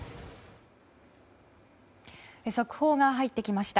速報が入ってきました。